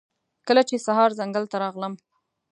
کله چې سهار ځنګل ته راغلم